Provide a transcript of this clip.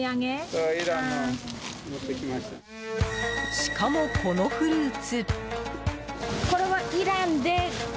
しかも、このフルーツ。